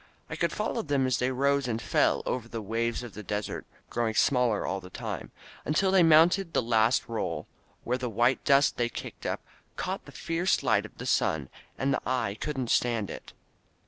I could follow them as they rose and fell over the waves of the desert, growing smaller all the time, until they mounted the last roll — ^where the white dust they kicked up caught the fierce light of the sun, and the eye couldn't stand it.